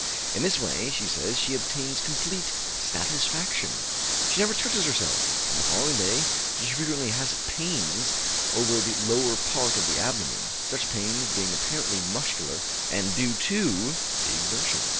In this way, she says, she obtains complete satisfaction. She never touches herself. On the following day she frequently has pains over the lower part of the abdomen, such pains being apparently muscular and due to the exertion.